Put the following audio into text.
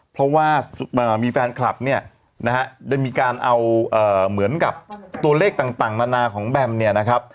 เพราะว่ามีแฟนคลับเนี่ยนะฮะได้มีการเอาเหมือนกับตัวเลขต่างนานาของแบมเนี่ยนะครับ